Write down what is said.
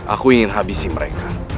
aku ingin habisi mereka